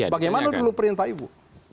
bagaimana dulu perintah ibu